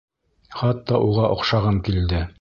Хатта уға оҡшағым килде.